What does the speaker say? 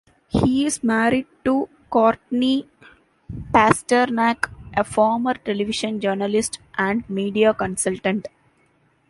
He is married to Cortney Pasternak, a former television journalist and media consultant.